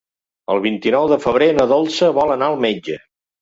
El vint-i-nou de febrer na Dolça vol anar al metge.